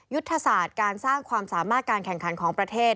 ยุทธศาสตร์การสร้างความสามารถการแข่งขันของประเทศ